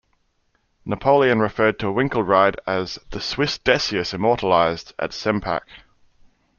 Napoleon referred to Winkelried as "the Swiss Decius immortalized" at Sempach.